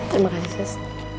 terima kasih sus